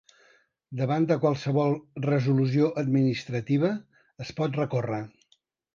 Davant de qualsevol resolució administrativa, es pot recórrer.